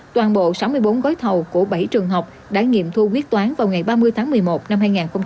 toàn bộ sáu mươi bốn gói thầu của bảy trường học đã nghiệm thu quyết toán vào ngày ba mươi tháng một mươi một năm hai nghìn một mươi tám